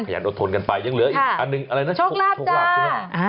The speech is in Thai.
พยายามอดทนกันไปยังเหลืออีกอันหนึ่งชกลาบจ้า